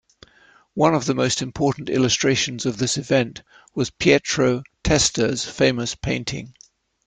One of the most important illustrations of this event was Pietro Testa's famous painting.